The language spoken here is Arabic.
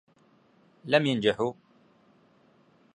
لم ينجحوا